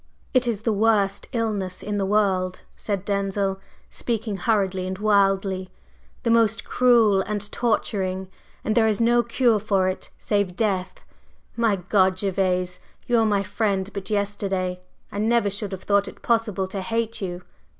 "It is the worst illness in the world," said Denzil, speaking hurriedly and wildly. "The most cruel and torturing! And there is no cure for it save death. My God, Gervase! You were my friend but yesterday! I never should have thought it possible to hate you!"